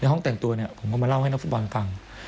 ในห้องแต่งตัวผมมาเล่าให้นักฝุ่นฟัง